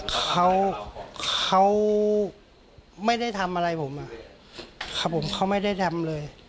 เขาเขาไม่ได้ทำอะไรผมอ่ะครับผมเขาไม่ได้ทำเลย